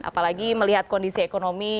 apalagi melihat kondisi ekonomi